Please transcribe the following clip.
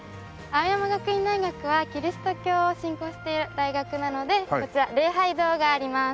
青山学院大学はキリスト教を信仰している大学なのでこちら礼拝堂があります。